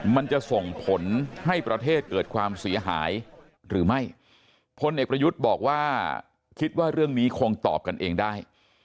มันจะส่งผลให้ประเทศเกิดความเสียหายหรือไม่พลเอกประยุทธ์บอกว่าคิดว่าเรื่องนี้คงตอบกันเองได้